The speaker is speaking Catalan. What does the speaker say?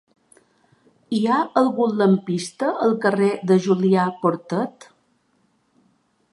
Hi ha algun lampista al carrer de Julià Portet?